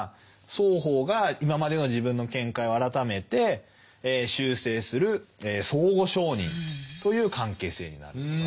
双方が今までの自分の見解を改めて修正する「相互承認」という関係性になるわけです。